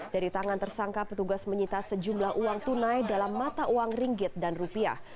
dari tangan tersangka petugas menyita sejumlah uang tunai dalam mata uang ringgit dan rupiah